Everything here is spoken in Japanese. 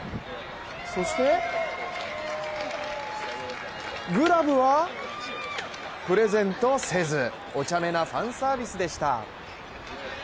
そしてグラブはプレゼントせず、おちゃめなファンサービスでした。